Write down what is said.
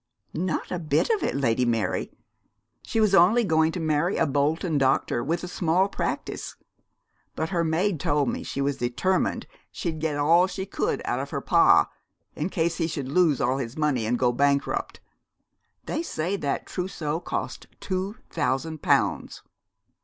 'Not a bit of it, Lady Mary. She was only going to marry a Bolton doctor with a small practice; but her maid told me she was determined she'd get all she could out of her pa, in case he should lose all his money and go bankrupt. They said that trousseau cost two thousand pounds.'